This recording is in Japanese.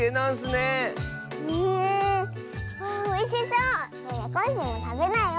ねえコッシーもたべなよ！